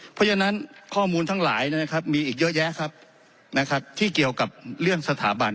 เพราะฉะนั้นข้อมูลทั้งหลายนะครับมีอีกเยอะแยะครับที่เกี่ยวกับเรื่องสถาบัน